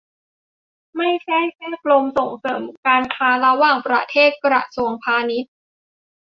ไม่ใช่แค่ กรมส่งเสริมการค้าระหว่างประเทศ กระทรวงพาณิชย์